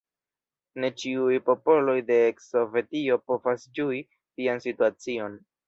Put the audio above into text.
Ne ĉiuj popoloj de eks-Sovetio povas ĝui tian situacion.